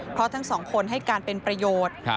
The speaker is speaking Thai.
เพราะทั้งสองคนให้การเป็นประโยชน์